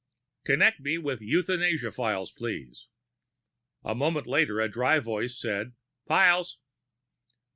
"Connect me with euthanasia files, please." A moment later a dry voice said, "Files."